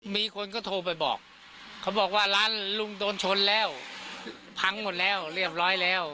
มีคนก็โทรไปบอกเขาบอกว่าร้านลุงโดนชนแล้วพังหมดแล้วเรียบร้อยแล้ว